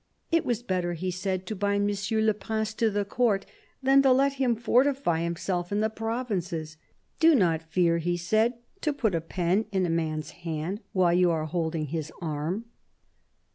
It was better, he said, to bind Monsieur le Prince to the Court than to let him fortify himself in the provinces. " Do not fear," he said, " to put a pen in a man's hand while you are holding his arm."